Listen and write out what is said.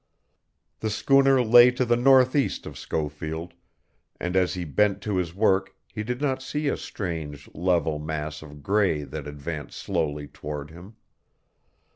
The schooner lay to the northeast of Schofield, and as he bent to his work he did not see a strange, level mass of gray that advanced slowly toward him.